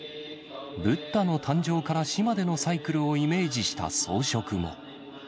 仏陀の誕生から死までのサイクルをイメージした装飾も。